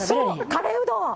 カレーうどん？